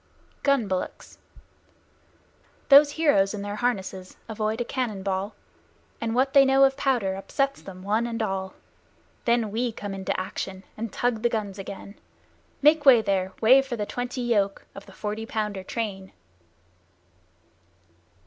GUN BULLOCKS Those heroes in their harnesses avoid a cannon ball, And what they know of powder upsets them one and all; Then we come into action and tug the guns again Make way there way for the twenty yoke Of the Forty Pounder train!